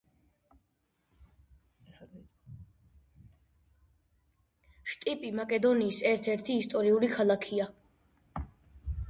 შტიპი მაკედონიის ერთ-ერთი ისტორიული ქალაქია.